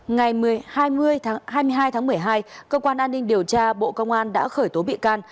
ngày hai mươi hai tháng một mươi hai cơ quan an ninh điều tra bộ công an đã khởi tố bị can